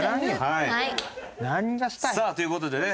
さあという事でね